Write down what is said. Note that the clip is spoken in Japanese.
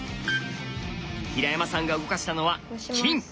平山さんが動かしたのは金。